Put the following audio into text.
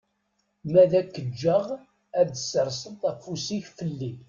Ma ad ak-ǧǧeɣ ad tesserseḍ afus-ik fell-i.